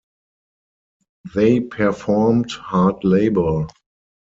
They performed hard labor.